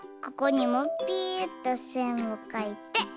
ここにもピュっとせんをかいて。